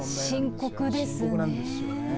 深刻ですね。